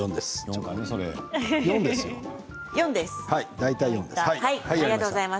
大体４です。